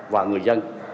và người dân